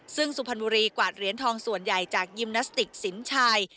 ซึ่งสุพรรณบุรีกวาดเหรียญทองส่วนใหญ่จากยิมนาสติกสินชัย